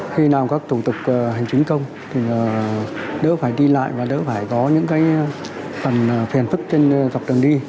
khi nào các thủ tục hành chính công đỡ phải đi lại và đỡ phải có những phần phiền phức dọc đường đi